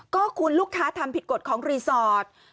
ก็คุณลูกค้าทำผิดกฎของรีสอร์ท